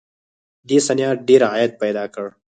دې صنعت ډېر عاید پیدا کړ